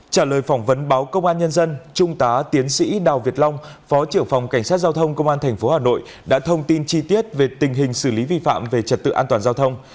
trả lời phỏng vấn báo công an nhân dân trung tá tiến sĩ đào việt long phó trưởng phòng cảnh sát giao thông công an tp hà nội đã thông tin chi tiết về tình hình xử lý vi phạm về trật tự an toàn giao thông